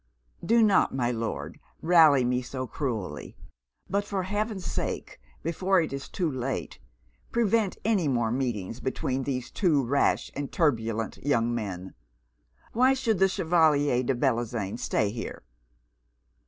'Do not, my Lord, rally me so cruelly; but for Heaven's sake, before it is too late, prevent any more meetings between these two rash and turbulent young men. Why should the Chevalier de Bellozane stay here?'